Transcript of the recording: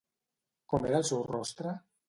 Com era el seu rostre?